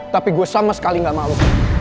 tapi gue sama sekali gak mau